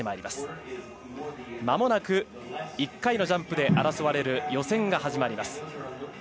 まもなく１回のジャンプで争われる予選が始まります。